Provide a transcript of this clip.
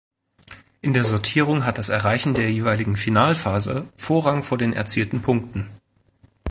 In der Sortierung hat das erreichen der jeweiligen Finalphase Vorrang vor den erzielten Punkten.